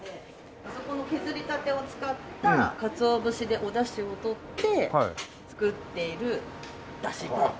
そこの削りたてを使ったかつお節でおだしを取って作っているだしなんです。